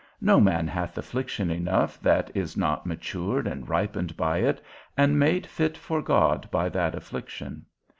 No man hath affliction enough that is not matured and ripened by it, and made fit for God by that affliction.